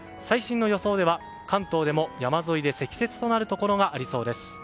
最新の予想では関東でも山沿いで積雪となるところがありそうです。